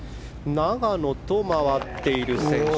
永野と回っている選手。